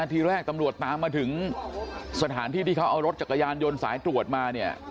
ทีแรกตำรวจตามมาถึงสถานที่ที่เขาเอารถจักรยานยนต์สายตรวจมาเนี่ย